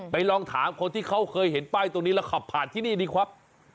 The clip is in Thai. ลองถามคนที่เขาเคยเห็นป้ายตรงนี้แล้วขับผ่านที่นี่ดีครับ